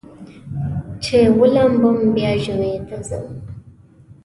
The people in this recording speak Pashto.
چې ولامبم بیا جمعې ته ځم.